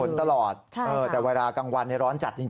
ตลอดแต่เวลากลางวันร้อนจัดจริง